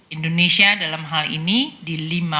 indonesia dalam hal ini di lima puluh empat dua